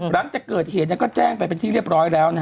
หลังจากเกิดเหตุก็แจ้งไปเป็นที่เรียบร้อยแล้ว